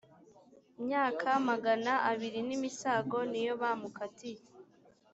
myaka magana abiri nimisago niyo bamukatiye